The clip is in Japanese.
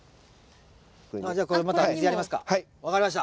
じゃあこれまた水やりますか。